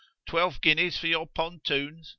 —twelve guineas for your pontoons?